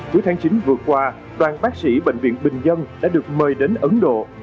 cuối tháng chín vừa qua đoàn bác sĩ bệnh viện bình dân đã được mời đến ấn độ